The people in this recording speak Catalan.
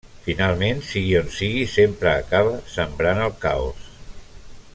Finalment, sigui on sigui, sempre acaba sembrant el caos.